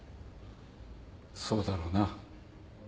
そうだろうな。